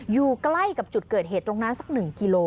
อยู่ใกล้กับจุดเกิดเหตุตรงนั้นสัก๑กิโล